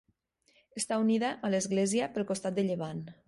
Està unida a l'església pel costat de llevant.